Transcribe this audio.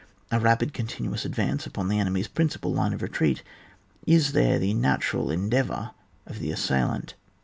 A rapid, continuous advance upon the enemy's principal line of retreat is there the natural endeavour of the as sailant.